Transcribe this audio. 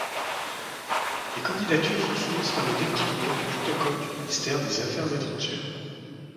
Les candidatures sont soumises par le département du protocole du ministère des Affaires étrangères.